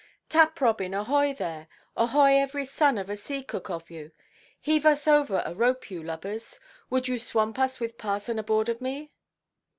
"Tap–Robin, ahoy there! Ahoy, every son of a sea–cook of you. Heave us over a rope, you lubbers. Would yer swamp us with parson aboard of me?"